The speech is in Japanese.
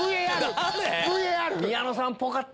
宮野さんっぽかった。